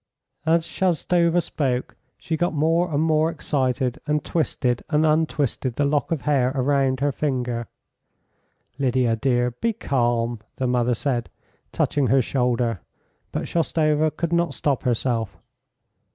and as Shoustova spoke she got more and more excited, and twisted and untwisted the lock of hair round her finger. "Lydia, dear, be calm," the mother said, touching her shoulder. But Shoustova could not stop herself.